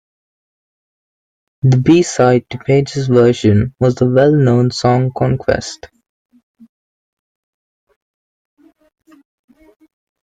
The b-side to Page's version was the well-known song Conquest.